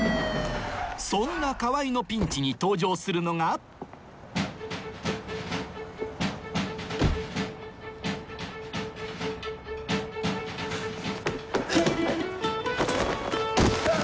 そんな川合のピンチに登場するのがうっ！